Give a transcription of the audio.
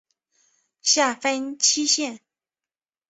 下分七县。